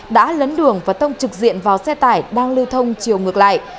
đã lấn đường và tông trực diện vào xe tải đang lưu thông chiều ngược lại